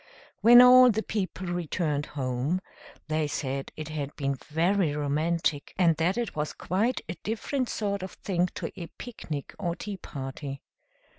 When all the people returned home, they said it had been very romantic, and that it was quite a different sort of thing to a pic nic or tea party.